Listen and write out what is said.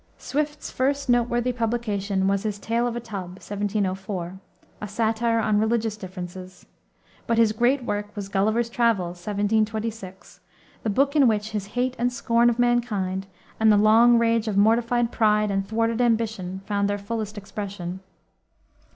Swift's first noteworthy publication was his Tale of a Tub, 1704, a satire on religious differences. But his great work was Gulliver's Travels, 1726, the book in which his hate and scorn of mankind, and the long rage of mortified pride and thwarted ambition found their fullest expression.